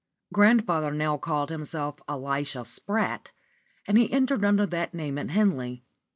Grandfather now called himself Elisha Spratt, and he entered under that name at Henley.